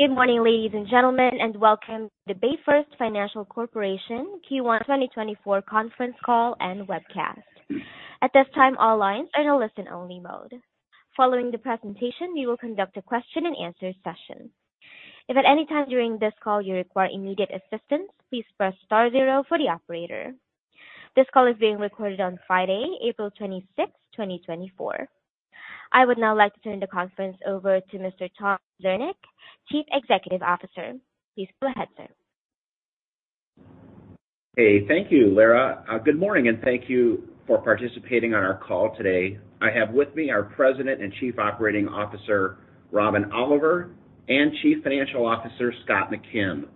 Good morning, ladies and gentlemen, and welcome to the BayFirst Financial Corporation Q1 2024 Conference Call and Webcast. At this time, all lines are in a listen-only mode. Following the presentation, we will conduct a question-and-answer session. If at any time during this call you require immediate assistance, please press star zero for the operator. This call is being recorded on Friday, April 26, 2024. I would now like to turn the conference over to Mr. Thomas Zernick, Chief Executive Officer. Please go ahead, sir. Hey, thank you, Lara. Good morning, and thank you for participating on our call today. I have with me our President and Chief Operating Officer Robin Oliver and Chief Financial Officer Scott McKim.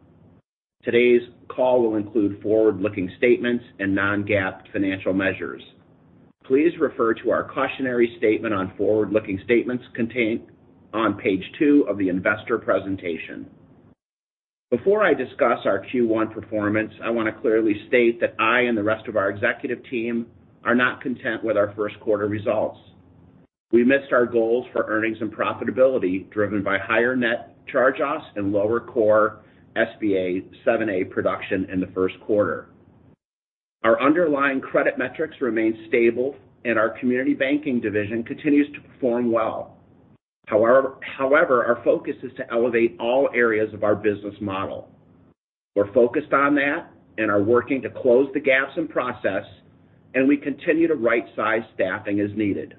Today's call will include forward-looking statements and non-GAAP financial measures. Please refer to our cautionary statement on forward-looking statements contained on page two of the investor presentation. Before I discuss our Q1 performance, I want to clearly state that I and the rest of our executive team are not content with our first quarter results. We missed our goals for earnings and profitability driven by higher net charge-offs and lower core SBA 7(a) production in the first quarter. Our underlying credit metrics remain stable, and our community banking division continues to perform well. However, our focus is to elevate all areas of our business model. We're focused on that and are working to close the gaps in process, and we continue to right-size staffing as needed.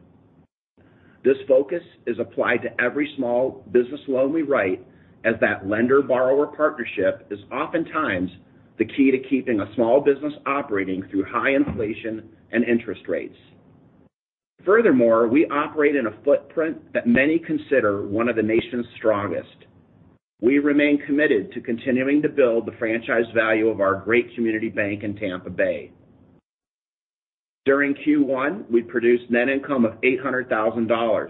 This focus is applied to every small business loan we write as that lender-borrower partnership is oftentimes the key to keeping a small business operating through high inflation and interest rates. Furthermore, we operate in a footprint that many consider one of the nation's strongest. We remain committed to continuing to build the franchise value of our great community bank in Tampa Bay. During Q1, we produced net income of $800,000.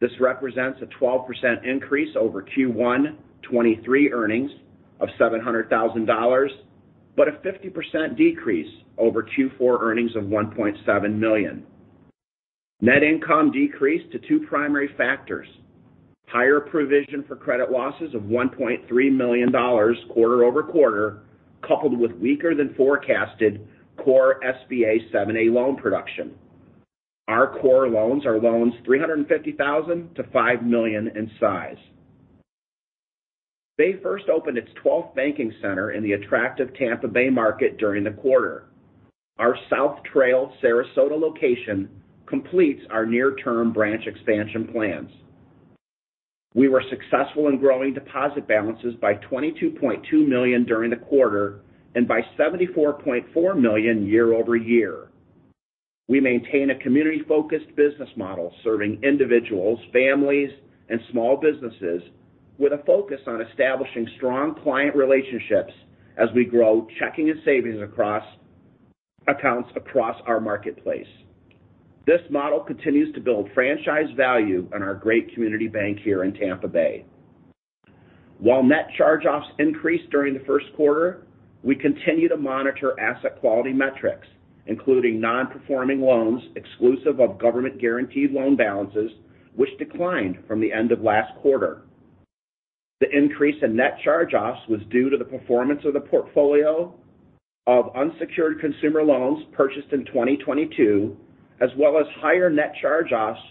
This represents a 12% increase over Q1 2023 earnings of $700,000 but a 50% decrease over Q4 earnings of $1.7 million. Net income decreased to two primary factors: higher provision for credit losses of $1.3 million quarter over quarter, coupled with weaker than forecasted core SBA 7(a) loan production. Our core loans are loans $350,000-$5 million in size. BayFirst opened its 12th banking center in the attractive Tampa Bay market during the quarter. Our South Trail, Sarasota location completes our near-term branch expansion plans. We were successful in growing deposit balances by $22.2 million during the quarter and by $74.4 million year-over-year. We maintain a community-focused business model serving individuals, families, and small businesses with a focus on establishing strong client relationships as we grow checking and savings across accounts across our marketplace. This model continues to build franchise value in our great community bank here in Tampa Bay. While net charge-offs increased during the first quarter, we continue to monitor asset quality metrics, including non-performing loans exclusive of government-guaranteed loan balances, which declined from the end of last quarter. The increase in net charge-offs was due to the performance of the portfolio of unsecured consumer loans purchased in 2022 as well as higher net charge-offs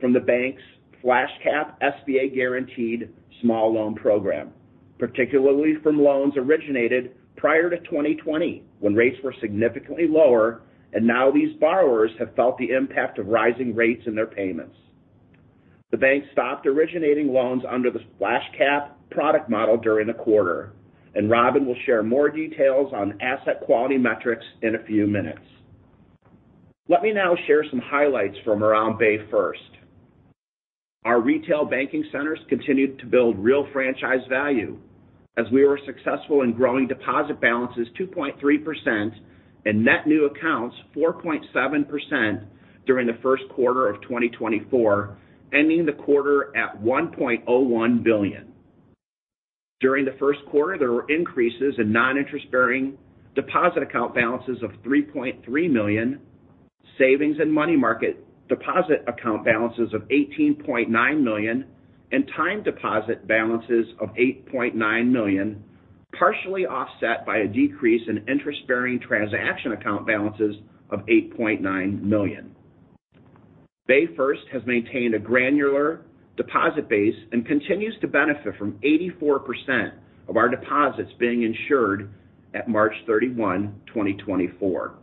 from the bank's FlashCap SBA-guaranteed small loan program, particularly from loans originated prior to 2020 when rates were significantly lower and now these borrowers have felt the impact of rising rates in their payments. The bank stopped originating loans under the FlashCap product model during the quarter, and Robin will share more details on asset quality metrics in a few minutes. Let me now share some highlights from around BayFirst. Our retail banking centers continued to build real franchise value as we were successful in growing deposit balances 2.3% and net new accounts 4.7% during the first quarter of 2024, ending the quarter at $1.01 billion. During the first quarter, there were increases in non-interest-bearing deposit account balances of $3.3 million, savings and money market deposit account balances of $18.9 million, and time deposit balances of $8.9 million, partially offset by a decrease in interest-bearing transaction account balances of $8.9 million. BayFirst has maintained a granular deposit base and continues to benefit from 84% of our deposits being insured at March 31, 2024.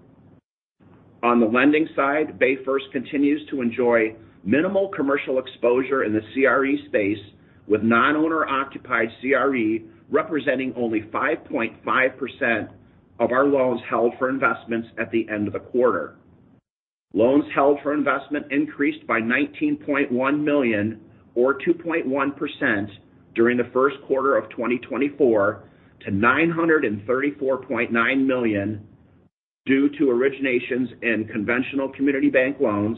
On the lending side, BayFirst continues to enjoy minimal commercial exposure in the CRE space, with non-owner-occupied CRE representing only 5.5% of our loans held for investments at the end of the quarter. Loans held for investment increased by $19.1 million, or 2.1%, during the first quarter of 2024 to $934.9 million due to originations in conventional community bank loans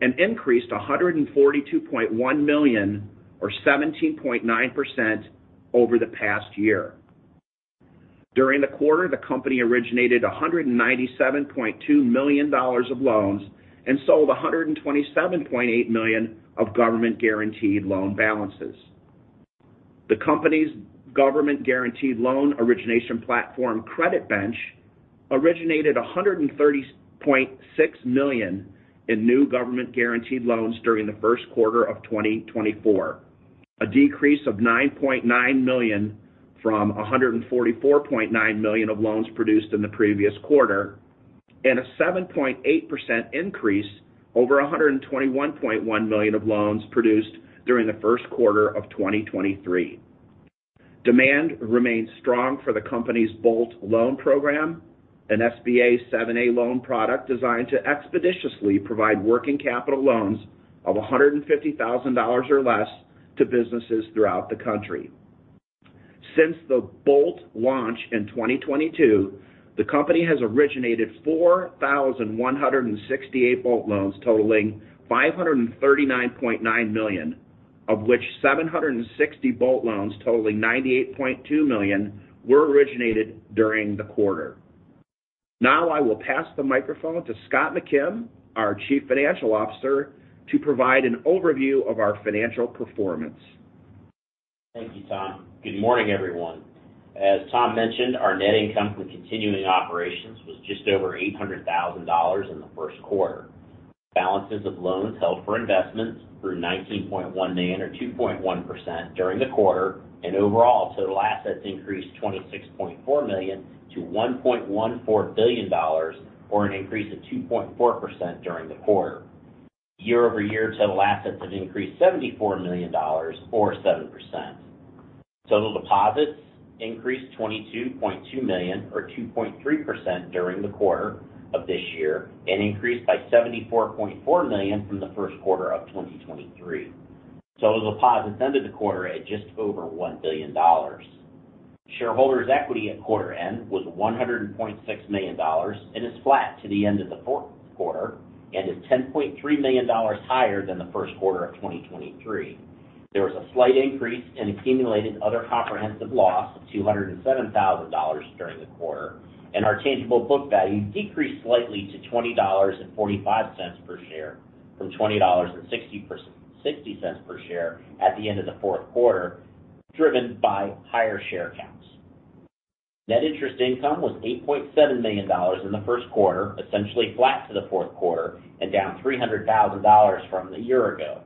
and increased $142.1 million, or 17.9%, over the past year. During the quarter, the company originated $197.2 million of loans and sold $127.8 million of government-guaranteed loan balances. The company's government-guaranteed loan origination platform, CreditBench, originated $130.6 million in new government-guaranteed loans during the first quarter of 2024, a decrease of $9.9 million from $144.9 million of loans produced in the previous quarter and a 7.8% increase over $121.1 million of loans produced during the first quarter of 2023. Demand remains strong for the company's Bolt loan program, an SBA 7(a) loan product designed to expeditiously provide working capital loans of $150,000 or less to businesses throughout the country. Since the Bolt launch in 2022, the company has originated 4,168 Bolt loans, totaling $539.9 million, of which 760 Bolt loans, totaling $98.2 million, were originated during the quarter. Now I will pass the microphone to Scott McKim, our Chief Financial Officer, to provide an overview of our financial performance. Thank you, Tom. Good morning, everyone. As Tom mentioned, our net income from continuing operations was just over $800,000 in the first quarter. Balances of loans held for investments grew $19.1 million, or 2.1%, during the quarter, and overall total assets increased $26.4 million-$1.14 billion, or an increase of 2.4% during the quarter. Year-over-year, total assets have increased $74 million, or 7%. Total deposits increased $22.2 million, or 2.3%, during the quarter of this year and increased by $74.4 million from the first quarter of 2023. Total deposits ended the quarter at just over $1 billion. Shareholders' equity at quarter end was $100.6 million and is flat to the end of the fourth quarter and is $10.3 million higher than the first quarter of 2023. There was a slight increase in accumulated other comprehensive loss of $207,000 during the quarter, and our tangible book value decreased slightly to $20.45 per share from $20.60 per share at the end of the fourth quarter, driven by higher share counts. Net interest income was $8.7 million in the first quarter, essentially flat to the fourth quarter and down $300,000 from the year ago.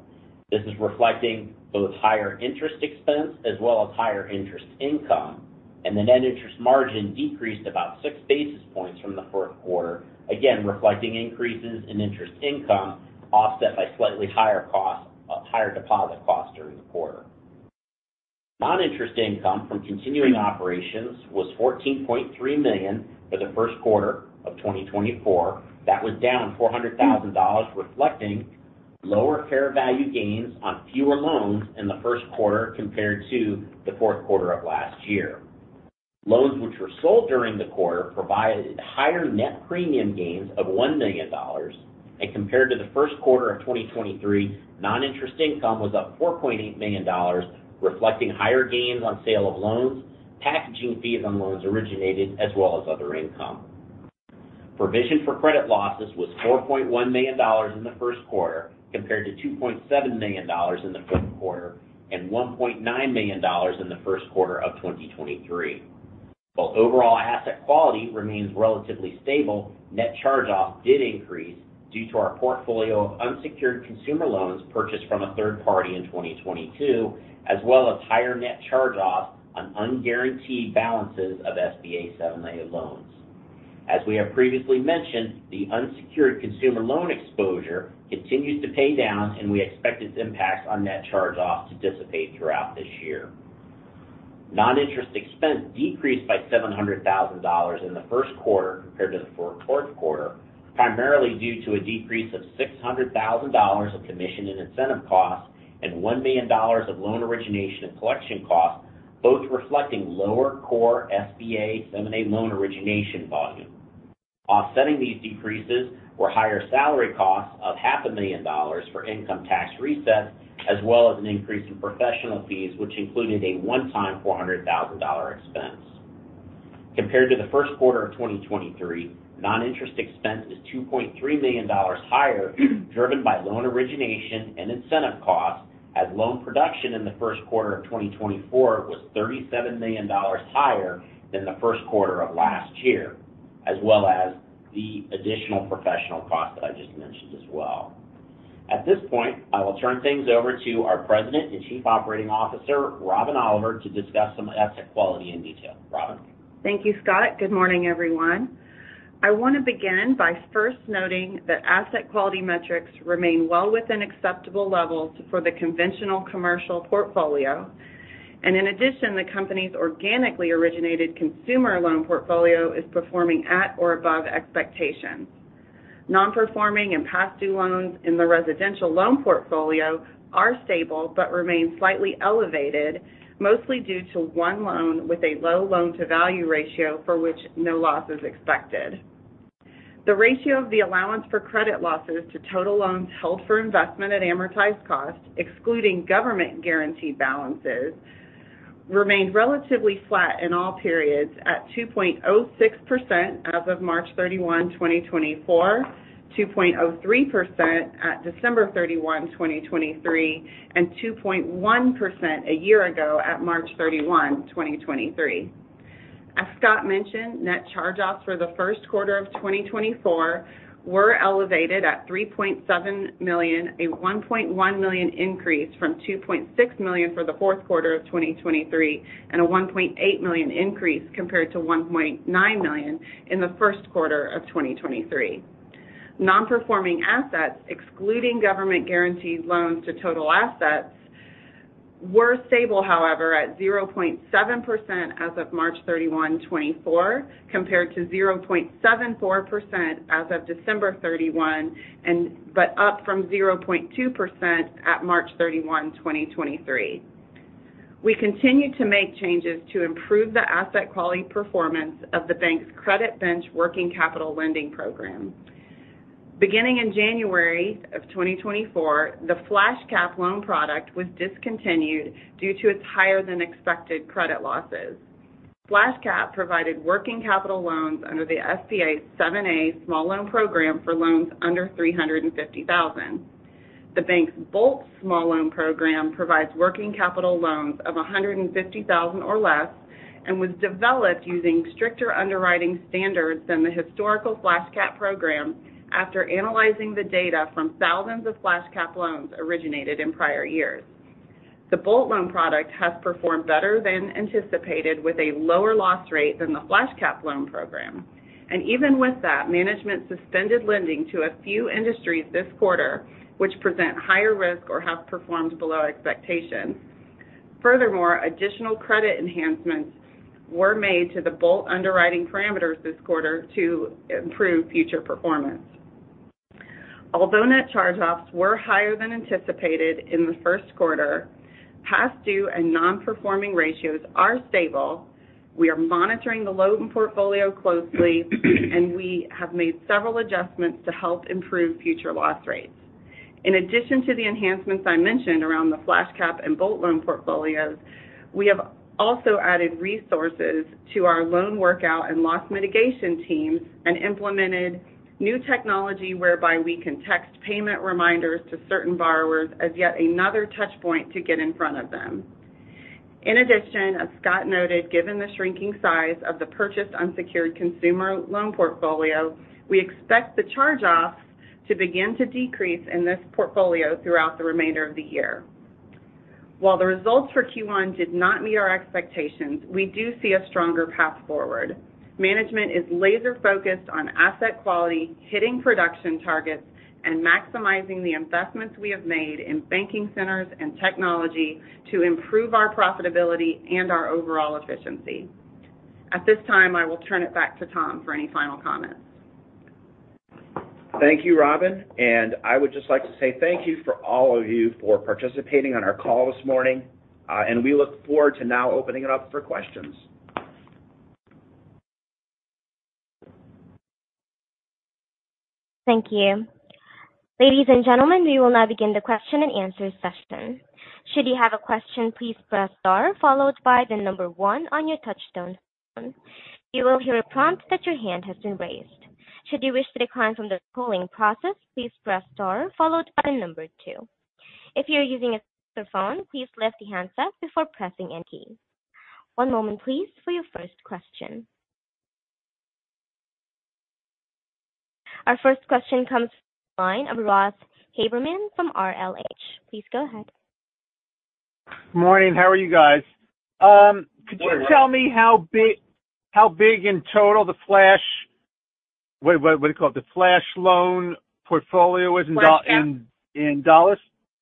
This is reflecting both higher interest expense as well as higher interest income, and the net interest margin decreased about six basis points from the fourth quarter, again reflecting increases in interest income offset by slightly higher deposit costs during the quarter. Non-interest income from continuing operations was $14.3 million for the first quarter of 2024. That was down $400,000, reflecting lower fair value gains on fewer loans in the first quarter compared to the fourth quarter of last year. Loans which were sold during the quarter provided higher net premium gains of $1 million, and compared to the first quarter of 2023, non-interest income was up $4.8 million, reflecting higher gains on sale of loans, packaging fees on loans originated, as well as other income. Provision for credit losses was $4.1 million in the first quarter compared to $2.7 million in the fourth quarter and $1.9 million in the first quarter of 2023. While overall asset quality remains relatively stable, net charge-offs did increase due to our portfolio of unsecured consumer loans purchased from a third party in 2022, as well as higher net charge-offs on unguaranteed balances of SBA 7(a) loans. As we have previously mentioned, the unsecured consumer loan exposure continues to pay down, and we expect its impacts on net charge-offs to dissipate throughout this year. Non-interest expense decreased by $700,000 in the first quarter compared to the fourth quarter, primarily due to a decrease of $600,000 of commission and incentive costs and $1 million of loan origination and collection costs, both reflecting lower core SBA 7(a) loan origination volume. Offsetting these decreases were higher salary costs of $500,000 for income tax resets, as well as an increase in professional fees, which included a one-time $400,000 expense. Compared to the first quarter of 2023, non-interest expense is $2.3 million higher, driven by loan origination and incentive costs, as loan production in the first quarter of 2024 was $37 million higher than the first quarter of last year, as well as the additional professional cost that I just mentioned as well. At this point, I will turn things over to our President and Chief Operating Officer, Robin Oliver, to discuss some asset quality in detail. Robin. Thank you, Scott. Good morning, everyone. I want to begin by first noting that asset quality metrics remain well within acceptable levels for the conventional commercial portfolio, and in addition, the company's organically originated consumer loan portfolio is performing at or above expectations. Non-performing and past-due loans in the residential loan portfolio are stable but remain slightly elevated, mostly due to one loan with a low loan-to-value ratio for which no loss is expected. The ratio of the allowance for credit losses to total loans held for investment at amortized cost, excluding government-guaranteed balances, remained relatively flat in all periods at 2.06% as of March 31, 2024, 2.03% at December 31, 2023, and 2.1% a year ago at March 31, 2023. As Scott mentioned, net charge-offs for the first quarter of 2024 were elevated at $3.7 million, a $1.1 million increase from $2.6 million for the fourth quarter of 2023, and a $1.8 million increase compared to $1.9 million in the first quarter of 2023. Non-performing assets, excluding government-guaranteed loans to total assets, were stable, however, at 0.7% as of March 31, 2024, compared to 0.74% as of December 31, but up from 0.2% at March 31, 2023. We continue to make changes to improve the asset quality performance of the bank's CreditBench working capital lending program. Beginning in January of 2024, the FlashCap loan product was discontinued due to its higher-than-expected credit losses. FlashCap provided working capital loans under the SBA 7(a) small loan program for loans under $350,000. The bank's Bolt small loan program provides working capital loans of $150,000 or less and was developed using stricter underwriting standards than the historical FlashCap program after analyzing the data from thousands of FlashCap loans originated in prior years. The Bolt loan product has performed better than anticipated, with a lower loss rate than the FlashCap loan program, and even with that, management suspended lending to a few industries this quarter, which present higher risk or have performed below expectations. Furthermore, additional credit enhancements were made to the Bolt underwriting parameters this quarter to improve future performance. Although net charge-offs were higher than anticipated in the first quarter, past-due and non-performing ratios are stable. We are monitoring the loan portfolio closely, and we have made several adjustments to help improve future loss rates. In addition to the enhancements I mentioned around the FlashCap and Bolt loan portfolios, we have also added resources to our loan workout and loss mitigation teams and implemented new technology whereby we can text payment reminders to certain borrowers as yet another touchpoint to get in front of them. In addition, as Scott noted, given the shrinking size of the purchased unsecured consumer loan portfolio, we expect the charge-offs to begin to decrease in this portfolio throughout the remainder of the year. While the results for Q1 did not meet our expectations, we do see a stronger path forward. Management is laser-focused on asset quality, hitting production targets, and maximizing the investments we have made in banking centers and technology to improve our profitability and our overall efficiency. At this time, I will turn it back to Tom for any final comments. Thank you, Robin. I would just like to say thank you for all of you for participating on our call this morning, and we look forward to now opening it up for questions. Thank you. Ladies and gentlemen, we will now begin the question and answer session. Should you have a question, please press star followed by the number one on your touch-tone. You will hear a prompt that your hand has been raised. Should you wish to decline from the polling process, please press star followed by the number two. If you're using a cell phone, please lift the handset before pressing enter. One moment, please, for your first question. Our first question comes from the line of Ross Haberman from RLH. Please go ahead. Morning. How are you guys? Could you tell me how big in total the FlashCap (wait, what do you call it?) the FlashCap portfolio was in dollars?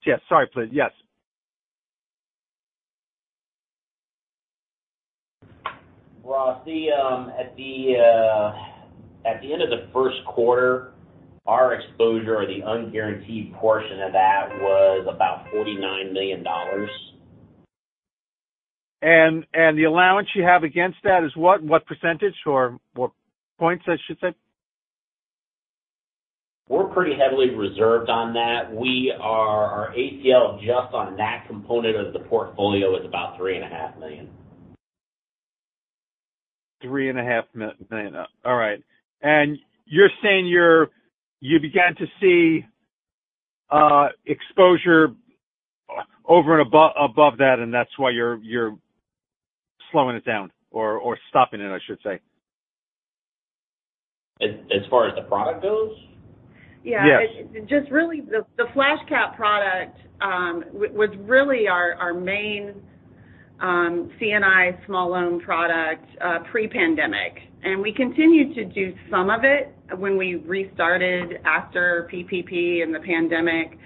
Yes. Sorry, please. Yes. Ross, at the end of the first quarter, our exposure, or the unguaranteed portion of that, was about $49 million. The allowance you have against that is what? What percentage or what points, I should say? We're pretty heavily reserved on that. Our ACL just on that component of the portfolio is about $3.5 million. $3.5 million. All right. And you're saying you began to see exposure over and above that, and that's why you're slowing it down or stopping it, I should say. As far as the product goes? Yeah. Just really, the FlashCap product was really our main C&I small loan product pre-pandemic, and we continued to do some of it when we restarted after PPP and the pandemic,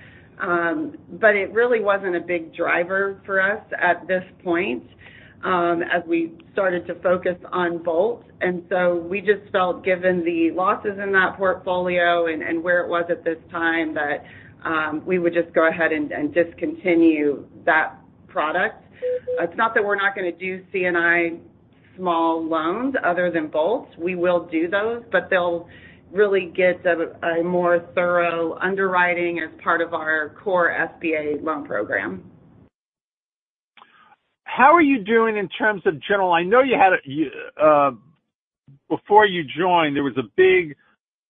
but it really wasn't a big driver for us at this point as we started to focus on Bolt. So we just felt, given the losses in that portfolio and where it was at this time, that we would just go ahead and discontinue that product. It's not that we're not going to do C&I small loans other than Bolt. We will do those, but they'll really get a more thorough underwriting as part of our core SBA loan program. How are you doing in terms of general? I know you had a, before you joined, there was a big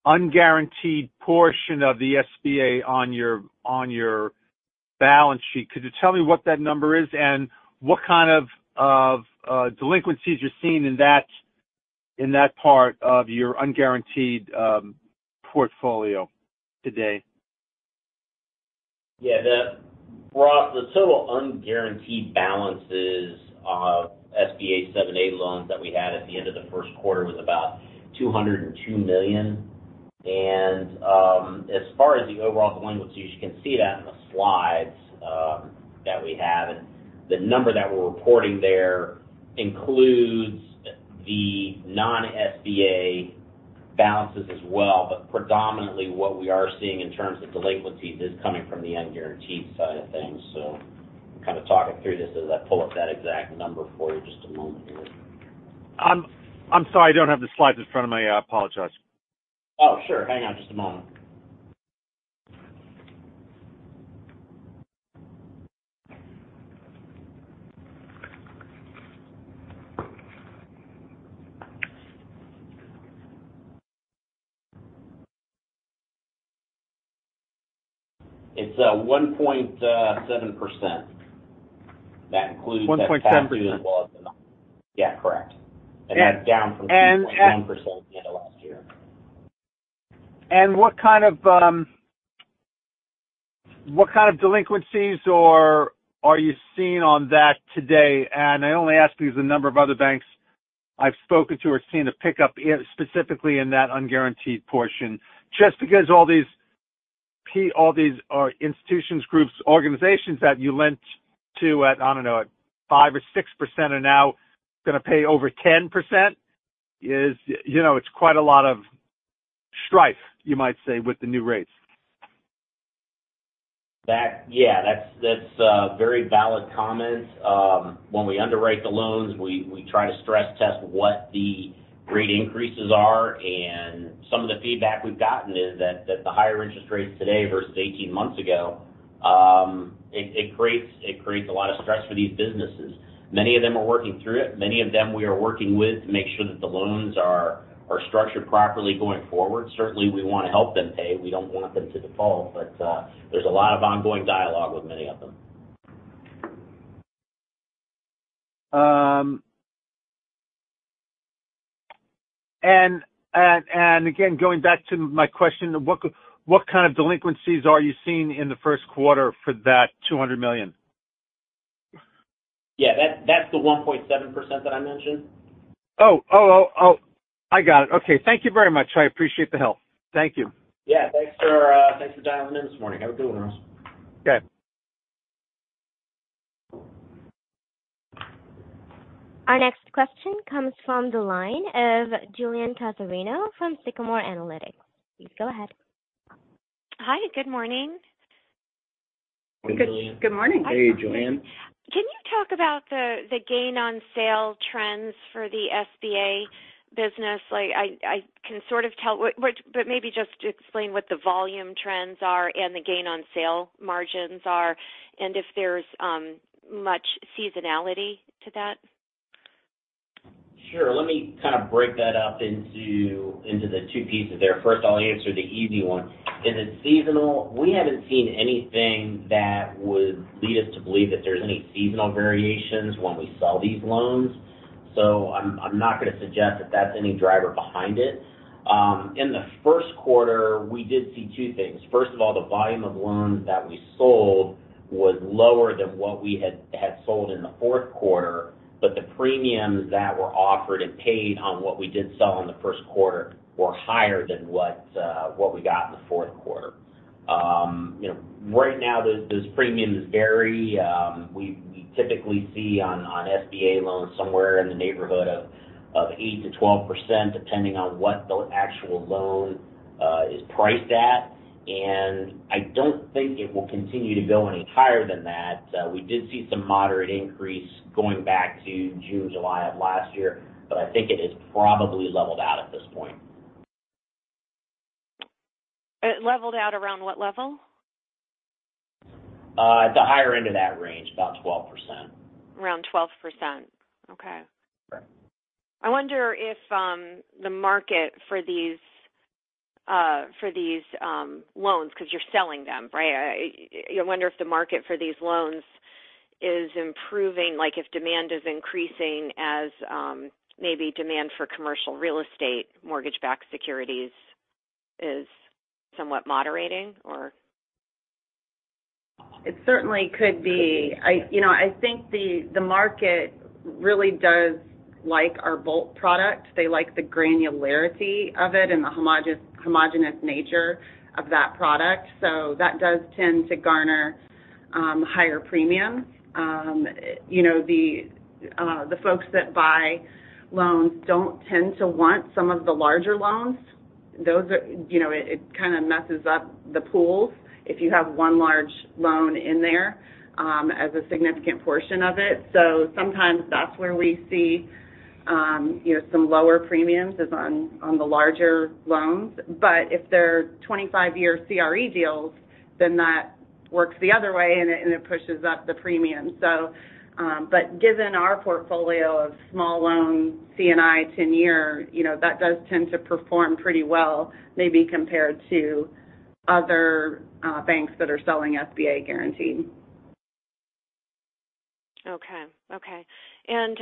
unguaranteed portion of the SBA on your balance sheet. Could you tell me what that number is and what kind of delinquencies you're seeing in that part of your unguaranteed portfolio today? Yeah. Ross, the total unguaranteed balances of SBA 7(a) loans that we had at the end of the first quarter was about $202 million. As far as the overall delinquencies, you can see that in the slides that we have. The number that we're reporting there includes the non-SBA balances as well, but predominantly, what we are seeing in terms of delinquencies is coming from the unguaranteed side of things. So I'm kind of talking through this as I pull up that exact number for you. Just a moment here. I'm sorry. I don't have the slides in front of me. I apologize. Oh, sure. Hang on just a moment. It's 1.7%. That includes that past due as well as the, yeah, correct. That's down from 2.1% at the end of last year. What kind of delinquencies are you seeing on that today? I only ask because a number of other banks I've spoken to are seeing a pickup specifically in that unguaranteed portion. Just because all these institutions, groups, organizations that you lent to at, I don't know, at 5% or 6% are now going to pay over 10%, it's quite a lot of strife, you might say, with the new rates. Yeah. That's a very valid comment. When we underwrite the loans, we try to stress-test what the rate increases are. And some of the feedback we've gotten is that the higher interest rates today versus 18 months ago, it creates a lot of stress for these businesses. Many of them are working through it. Many of them we are working with to make sure that the loans are structured properly going forward. Certainly, we want to help them pay. We don't want them to default, but there's a lot of ongoing dialogue with many of them. Again, going back to my question, what kind of delinquencies are you seeing in the first quarter for that $200 million? Yeah. That's the 1.7% that I mentioned. Oh, oh, oh, oh, I got it. Okay. Thank you very much. I appreciate the help. Thank you. Yeah. Thanks for dialing in this morning. Have a good one, Ross. Okay. Our next question comes from the line of Julienne Cassarino from Sycamore Analytics. Please go ahead. Hi. Good morning. Good morning. Hey, Julianne. Can you talk about the gain-on-sale trends for the SBA business? I can sort of tell, but maybe just explain what the volume trends are and the gain-on-sale margins are and if there's much seasonality to that. Sure. Let me kind of break that up into the two pieces there. First, I'll answer the easy one. Is it seasonal? We haven't seen anything that would lead us to believe that there's any seasonal variations when we sell these loans, so I'm not going to suggest that that's any driver behind it. In the first quarter, we did see two things. First of all, the volume of loans that we sold was lower than what we had sold in the fourth quarter, but the premiums that were offered and paid on what we did sell in the first quarter were higher than what we got in the fourth quarter. Right now, those premiums vary. We typically see on SBA loans somewhere in the neighborhood of 8%-12%, depending on what the actual loan is priced at. I don't think it will continue to go any higher than that. We did see some moderate increase going back to June, July of last year, but I think it is probably leveled out at this point. Leveled out around what level? At the higher end of that range, about 12%. Around 12%. Okay. I wonder if the market for these loans because you're selling them, right? I wonder if the market for these loans is improving, if demand is increasing as maybe demand for commercial real estate, mortgage-backed securities is somewhat moderating, or? It certainly could be. I think the market really does like our Bolt product. They like the granularity of it and the homogeneous nature of that product, so that does tend to garner higher premiums. The folks that buy loans don't tend to want some of the larger loans. It kind of messes up the pools if you have one large loan in there as a significant portion of it. So sometimes that's where we see some lower premiums is on the larger loans. But if they're 25-year CRE deals, then that works the other way, and it pushes up the premiums. But given our portfolio of small loan C&I 10-year, that does tend to perform pretty well, maybe compared to other banks that are selling SBA guaranteed. Okay. Okay. And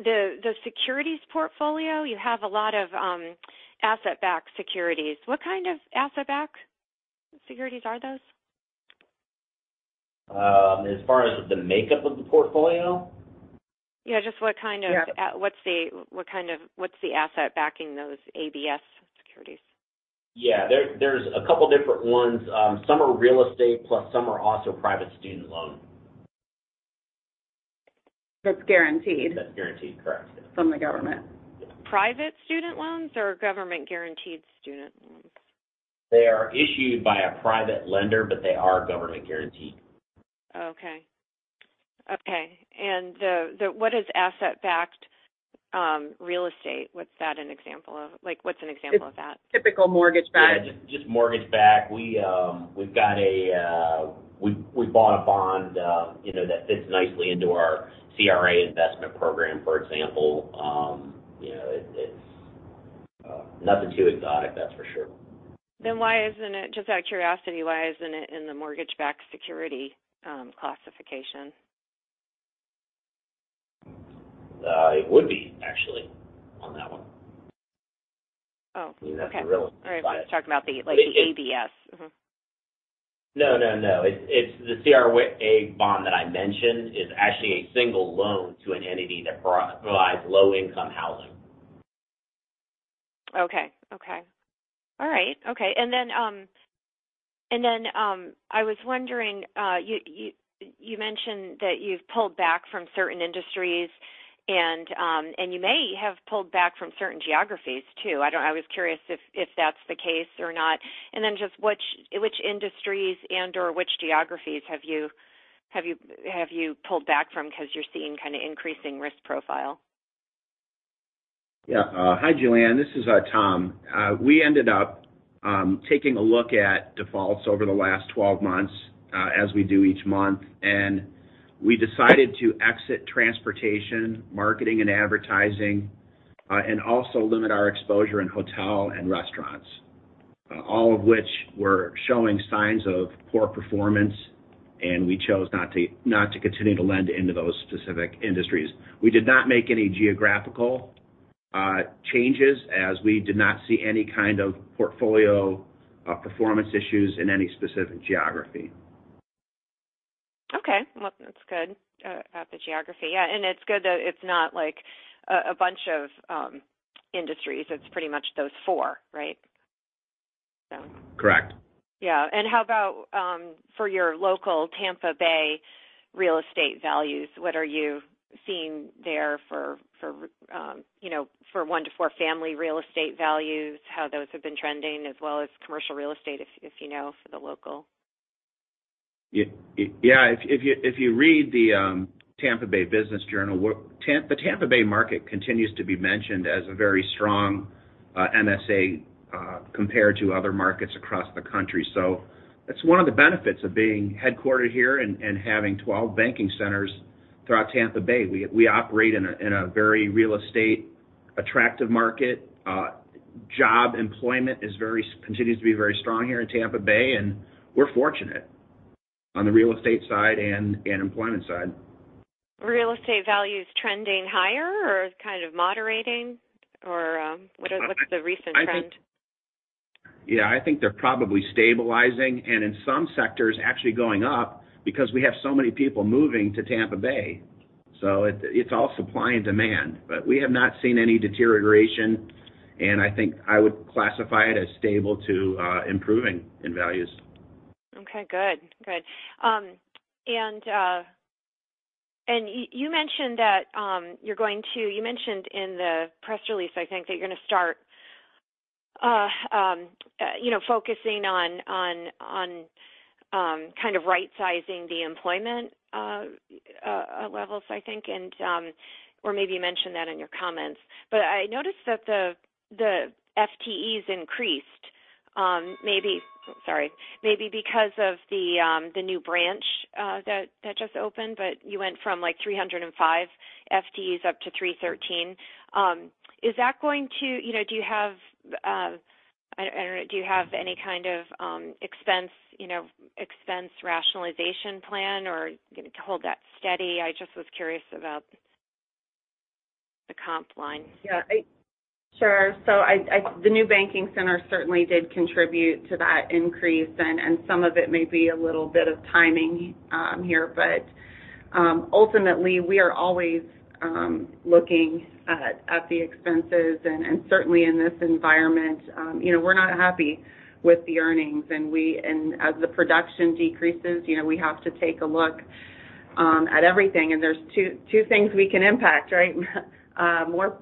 the securities portfolio, you have a lot of asset-backed securities. What kind of asset-backed securities are those? As far as the makeup of the portfolio? Yeah. Just what kind of, what's the asset backing those ABS securities? Yeah. There's a couple of different ones. Some are real estate, plus some are also private student loan. That's guaranteed? That's guaranteed. Correct. From the government? Private student loans or government-guaranteed student loans? They are issued by a private lender, but they are government-guaranteed. Okay. Okay. And what is asset-backed real estate? What's that an example of? What's an example of that? Typical mortgage-backed? Yeah. Just mortgage-backed. We've got. We bought a bond that fits nicely into our CRA investment program, for example. It's nothing too exotic, that's for sure. Why isn't it just out of curiosity, why isn't it in the mortgage-backed security classification? It would be, actually, on that one. I mean, that's a really fine. Oh, okay. All right. We're talking about the ABS. No, no, no. The CRA bond that I mentioned is actually a single loan to an entity that provides low-income housing. Okay. Okay. All right. Okay. And then I was wondering, you mentioned that you've pulled back from certain industries, and you may have pulled back from certain geographies too. I was curious if that's the case or not. And then just which industries and/or which geographies have you pulled back from because you're seeing kind of increasing risk profile? Yeah. Hi, Julienne. This is Tom. We ended up taking a look at defaults over the last 12 months as we do each month, and we decided to exit transportation, marketing, and advertising, and also limit our exposure in hotel and restaurants, all of which were showing signs of poor performance, and we chose not to continue to lend into those specific industries. We did not make any geographical changes as we did not see any kind of portfolio performance issues in any specific geography. Okay. Well, that's good about the geography. Yeah. And it's good that it's not a bunch of industries. It's pretty much those four, right? Correct. Yeah. How about for your local Tampa Bay real estate values? What are you seeing there for one to four family real estate values, how those have been trending, as well as commercial real estate, if you know, for the local? Yeah. If you read the Tampa Bay Business Journal, the Tampa Bay market continues to be mentioned as a very strong MSA compared to other markets across the country. So that's one of the benefits of being headquartered here and having 12 banking centers throughout Tampa Bay. We operate in a very real estate attractive market. Job employment continues to be very strong here in Tampa Bay, and we're fortunate on the real estate side and employment side. Real estate values trending higher or kind of moderating, or what's the recent trend? Yeah. I think they're probably stabilizing and in some sectors actually going up because we have so many people moving to Tampa Bay. So it's all supply and demand, but we have not seen any deterioration, and I think I would classify it as stable to improving in values. Okay. Good. Good. And you mentioned in the press release, I think, that you're going to start focusing on kind of right-sizing the employment levels, I think, or maybe you mentioned that in your comments. But I noticed that the FTEs increased, maybe sorry, maybe because of the new branch that just opened, but you went from 305 FTEs up to 313. Is that going to? Do you have—I don't know. Do you have any kind of expense rationalization plan or hold that steady? I just was curious about the comp line. Yeah. Sure. So the new banking center certainly did contribute to that increase, and some of it may be a little bit of timing here. But ultimately, we are always looking at the expenses, and certainly in this environment, we're not happy with the earnings. And as the production decreases, we have to take a look at everything. And there's two things we can impact, right?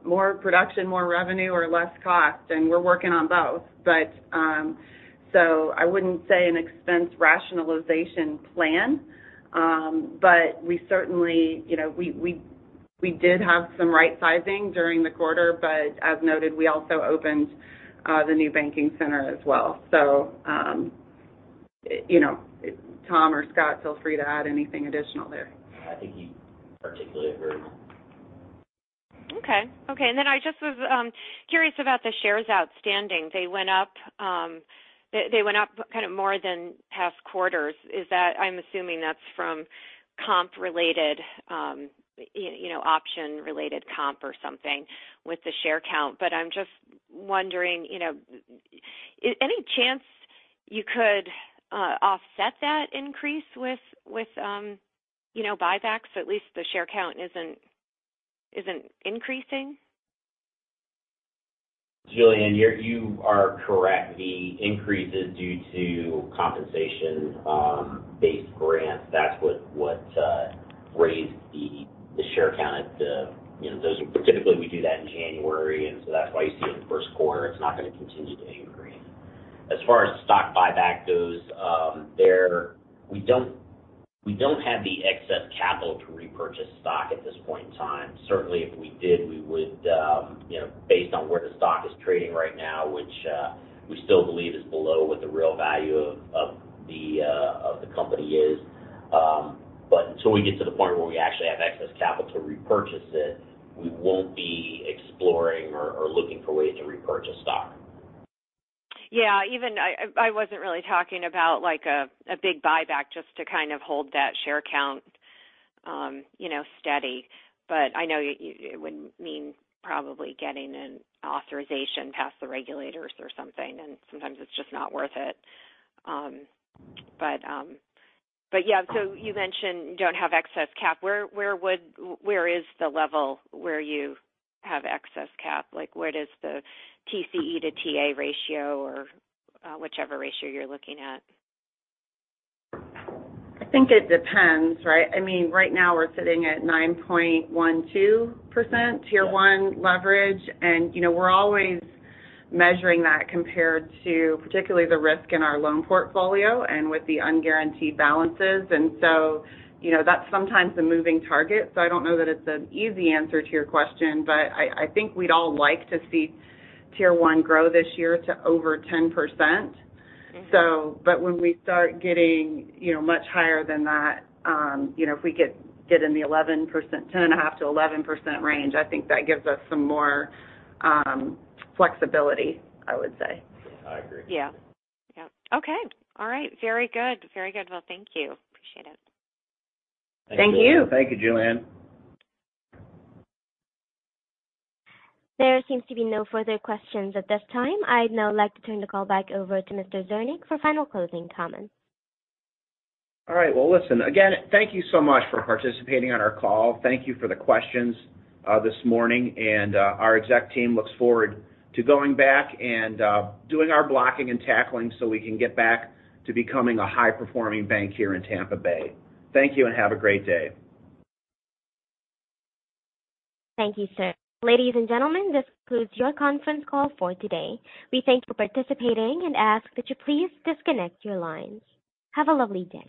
More production, more revenue, or less cost, and we're working on both. So I wouldn't say an expense rationalization plan, but we certainly did have some right-sizing during the quarter, but as noted, we also opened the new banking center as well. So Tom or Scott, feel free to add anything additional there. I think you particularly agree with that. Okay. Okay. Then I just was curious about the shares outstanding. They went up kind of more than past quarters. I'm assuming that's from comp-related option-related comp or something with the share count. But I'm just wondering, any chance you could offset that increase with buybacks? At least the share count isn't increasing? Julienne, you are correct. The increase is due to compensation-based grants. That's what raised the share count. Typically, we do that in January, and so that's why you see it in the first quarter. It's not going to continue to increase. As far as stock buyback goes, we don't have the excess capital to repurchase stock at this point in time. Certainly, if we did, we would, based on where the stock is trading right now, which we still believe is below what the real value of the company is. But until we get to the point where we actually have excess capital to repurchase it, we won't be exploring or looking for ways to repurchase stock. Yeah. I wasn't really talking about a big buyback just to kind of hold that share count steady, but I know it would mean probably getting an authorization past the regulators or something, and sometimes it's just not worth it. But yeah. So you mentioned you don't have excess cap. Where is the level where you have excess cap? What is the TCE to TA ratio or whichever ratio you're looking at? I think it depends, right? I mean, right now, we're sitting at 9.12% Tier 1 leverage, and we're always measuring that compared to particularly the risk in our loan portfolio and with the unguaranteed balances. And so that's sometimes the moving target. So I don't know that it's an easy answer to your question, but I think we'd all like to see Tier 1 grow this year to over 10%. But when we start getting much higher than that, if we get in the 10.5%-11% range, I think that gives us some more flexibility, I would say. I agree. Yeah. Yeah. Okay. All right. Very good. Very good. Well, thank you. Appreciate it. Thank you. Thank you. Thank you, Julienne. There seems to be no further questions at this time. I'd now like to turn the call back over to Mr. Zernick for final closing comments. All right. Well, listen, again, thank you so much for participating on our call. Thank you for the questions this morning, and our exec team looks forward to going back and doing our blocking and tackling so we can get back to becoming a high-performing bank here in Tampa Bay. Thank you, and have a great day. Thank you, sir. Ladies and gentlemen, this concludes your conference call for today. We thank you for participating and ask that you please disconnect your lines. Have a lovely day.